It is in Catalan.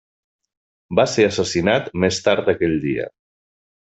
Va ser assassinat més tard aquell dia.